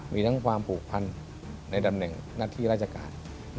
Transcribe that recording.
มีทั้งความผูกพันในตำแหน่งหน้าที่ราชการ